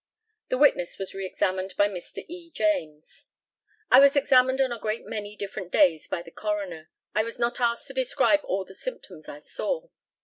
The witness was re examined by Mr. E. JAMES: I was examined on a great many different days by the coroner. I was not asked to describe all the symptoms I saw.